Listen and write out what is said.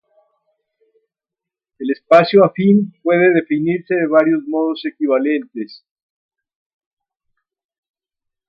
El espacio afín puede definirse de varios modos equivalentes.